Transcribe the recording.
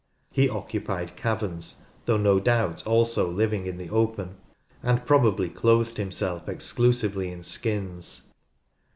He occupied caverns, though no doubt also living in the open, and probably clothed himself exclusively in skins.